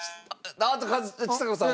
あっとちさ子さんは？